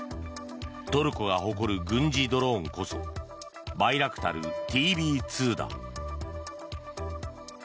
トルコが誇る軍事ドローンこそバイラクタルＴＢ２だ。